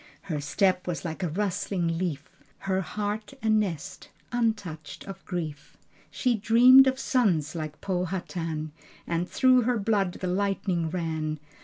Her step was like a rustling leaf: Her heart a nest, untouched of grief. She dreamed of sons like Powhatan, And through her blood the lightning ran.